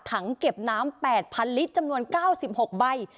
ถังเก็บน้ำ๘๐๐ลิตรจำนวน๙๖ใบ